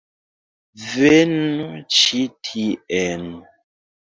Venu ĉi tien!